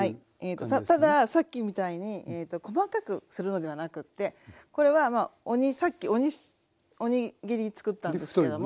たださっきみたいに細かくするのではなくってこれはさっき鬼切りにつくったんですけども。